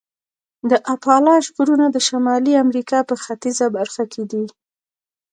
د اپالاش غرونه د شمالي امریکا په ختیځه برخه کې دي.